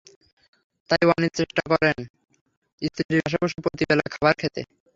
তাই অনিল চেষ্টা করেন স্ত্রীর পাশে বসে প্রতি বেলার খাবার খেতে।